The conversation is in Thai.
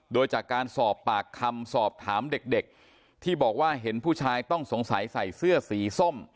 โดยจากการสอบปากคำสอบถามเด็กที่บอกว่าเห็นผู้ชายต้องสงสัยใส่เสื้อสีส้ม